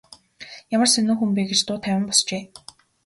Ямар сонин хүн бэ гэж дуу тавин босжээ.